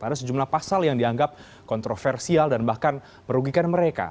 ada sejumlah pasal yang dianggap kontroversial dan bahkan merugikan mereka